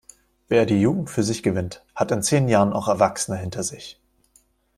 Wer die Jugend für sich gewinnt, hat in zehn Jahren auch Erwachsene hinter sich.